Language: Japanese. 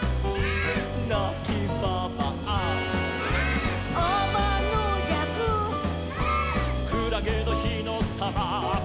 「なきばばあ」「」「あまのじゃく」「」「くらげのひのたま」「」